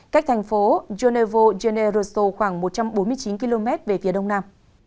cách thành phố geneva geneoto khoảng một trăm bốn mươi chín km về phía đông nam